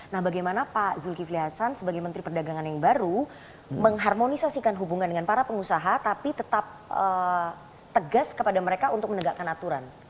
nah bagaimana pak zulkifli hasan sebagai menteri perdagangan yang baru mengharmonisasikan hubungan dengan para pengusaha tapi tetap tegas kepada mereka untuk menegakkan aturan